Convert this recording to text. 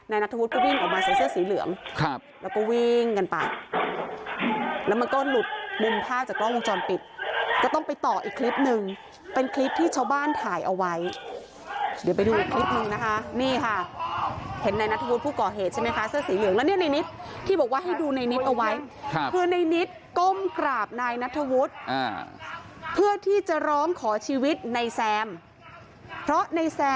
นายนัทธวุฒิก็วิ่งออกมาใส่เสื้อสีเหลืองครับแล้วก็วิ่งกันไปแล้วมันก็หลุดมุมภาพจากกล้องวงจรปิดก็ต้องไปต่ออีกคลิปหนึ่งเป็นคลิปที่ชาวบ้านถ่ายเอาไว้เดี๋ยวไปดูอีกคลิปหนึ่งนะคะนี่ค่ะเห็นนายนัทธวุฒิผู้ก่อเหตุใช่ไหมคะเสื้อสีเหลืองแล้วเนี่ยนายนิดที่บอกว่าให้ดูนายนิดเอาไว้